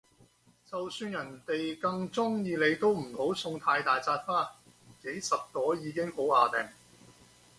就算人哋哽鍾意你都唔好送太大紮花，幾十朵已經好椏掟